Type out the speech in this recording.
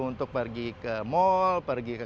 untuk pergi ke mal pergi ke